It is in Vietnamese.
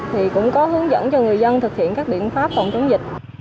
thì cũng có hướng dẫn cho người dân thực hiện các biện pháp phòng chống dịch